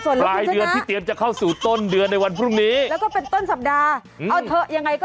สวัสดีคุณชนะค่ะ